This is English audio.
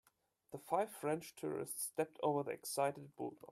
The five French tourists stepped over the excited bulldogs.